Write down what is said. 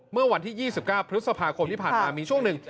เมื่อวันที่๒๙พฤษภาคมที่ผ่านมามีช่วงหนึ่ง